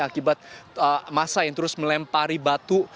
akibat masa yang terus melempari batu